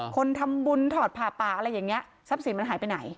คนทำบุญถอดผ่าป่าอะไรอย่างนี้ทรัพย์สินมันหายไปไหน